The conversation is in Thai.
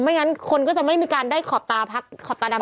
ไม่งั้นคนก็จะไม่มีการได้ขอบตาดำน้ำ